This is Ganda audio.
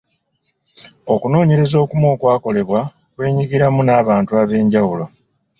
Okunoonyereza okumu okwakolebwa kwenyigiramu n'abantu ab'enjawulo.